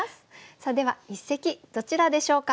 さあでは一席どちらでしょうか？